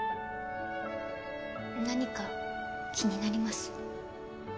何か気になります？